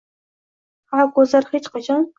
bu ko’zlar endi hech qachon